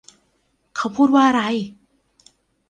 เขาพูดว่าอะไร